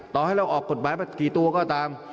ต่อให้เราออกกฎหมายมากี่ตัวก็ตาม